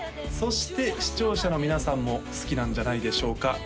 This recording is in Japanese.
そして視聴者の皆さんも好きなんじゃないでしょうか？